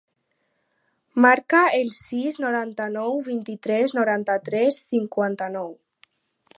Marca el sis, noranta-u, vint-i-tres, noranta-tres, cinquanta-nou.